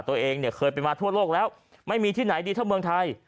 ตัวเองเนี่ยเคยไปมาทั่วโลกแล้วไม่มีที่ไหนดีเท่าเมืองไทย